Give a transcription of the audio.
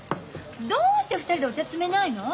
どうして２人でお茶摘めないの？